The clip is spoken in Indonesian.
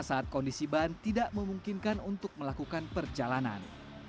saat kondisi ban tidak memungkinkan untuk melakukan perjalanan